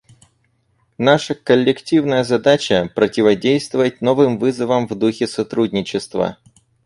Наша коллективная задача — противодействовать новым вызовам в духе сотрудничества.